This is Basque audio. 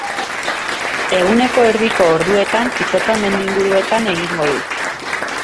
Eguneko erdiko orduetan izotza mendi inguruetan egingo du.